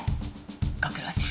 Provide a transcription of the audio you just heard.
ご苦労さん。